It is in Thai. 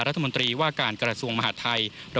รัฐมนตรีว่าการกระทรวงมหาดไทย